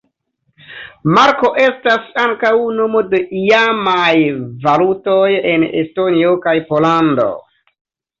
Marko estas ankaŭ nomo de iamaj valutoj en Estonio kaj Pollando.